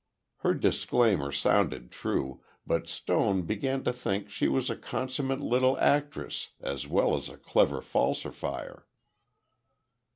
Her disclaimer sounded true, but Stone began to think she was a consummate little actress as well as a clever falsifier.